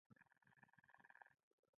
بيا يې په غېږ پورې ټينگ کړم.